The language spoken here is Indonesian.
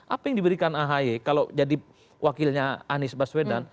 apa yang diberikan ahy kalau jadi wakilnya anies baswedan